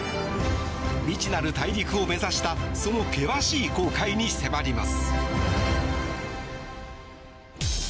未知なる大陸を目指したその険しい航海に迫ります。